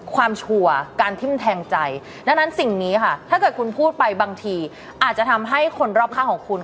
ชัวร์การทิ้มแทงใจดังนั้นสิ่งนี้ค่ะถ้าเกิดคุณพูดไปบางทีอาจจะทำให้คนรอบข้างของคุณ